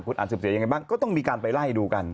คุณอาจจะเสียยังไงบ้างก็ต้องมีการไปไล่ดูกัน